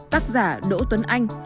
tác giả đỗ tuấn anh